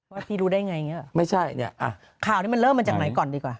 ว่าพี่รู้ได้ไงไม่ใช่ข่าวนี้มันเริ่มมาจากไหนก่อนดีกว่า